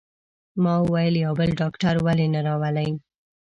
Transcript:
ما وویل: یو بل ډاکټر ولې نه راولئ؟